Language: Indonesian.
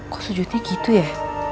kok sujudnya gitu ya